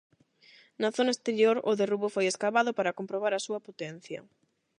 Na zona exterior o derrubo foi escavado para comprobar a súa potencia.